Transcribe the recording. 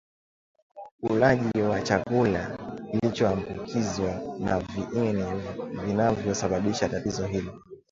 Ulaji wa chakula kilichoambukizwa na viini vinavyosababisha tatizo hili